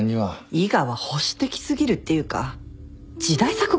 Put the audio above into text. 伊賀は保守的過ぎるっていうか時代錯誤ですよね。